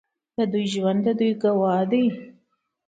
د دوی ژوند د دوی ګواه دی.